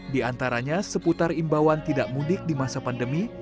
di antaranya seputar imbauan tidak mudik di masa pandemi